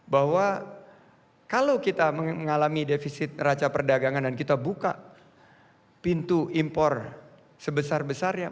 bahwa kalau kita mengalami defisit raca perdagangan dan kita buka pintu impor sebesar besarnya